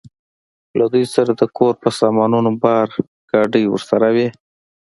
له دوی سره د کور په سامانونو بار، ګاډۍ ورسره وې.